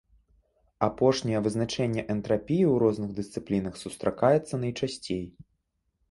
Апошняе вызначэнне энтрапіі ў розных дысцыплінах сустракаецца найчасцей.